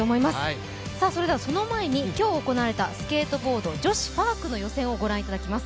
その前に今日行われたスケートボード・女子パークの予選をご覧いただきます。